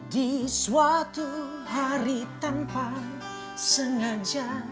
di suatu hari tanpa sengaja